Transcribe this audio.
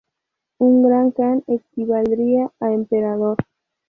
Un gran kan equivaldría a emperador.